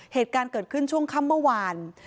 เหตุการณ์เกิดขึ้นช่วงค่ำเมื่อวาน